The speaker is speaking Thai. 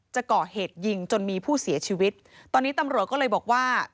จะก่อเหตุยิงจนมีผู้เสียชีวิตตอนนี้ตำรวจก็เลยบอกว่า